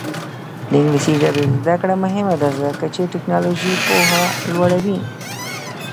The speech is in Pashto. د انګلیسي ژبې زده کړه مهمه ده ځکه چې تکنالوژي پوهه لوړوي.